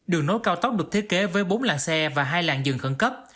đường nối cao tốc được thiết kế với bốn làng xe và hai làng dừng khẩn cấp